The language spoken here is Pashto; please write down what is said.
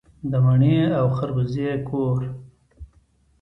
د مڼې او خربوزې کور.